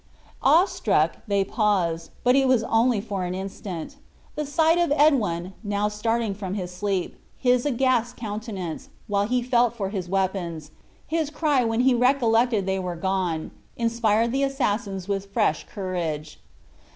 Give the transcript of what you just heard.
Awe struck, they paused, but it was only for an instant. The sight of Edwin, now starting from his sleep, his aghast countenance, while he felt for his weapons, his cry when he recollected they were gone, inspired the assassins with fresh courage.